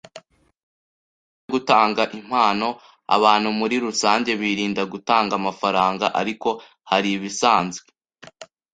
Mugihe cyo gutanga impano, abantu muri rusange birinda gutanga amafaranga, ariko haribisanzwe